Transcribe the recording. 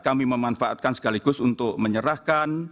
kami memanfaatkan sekaligus untuk menyerahkan